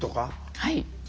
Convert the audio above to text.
はい。